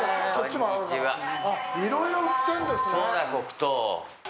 いろいろ売ってるんですね。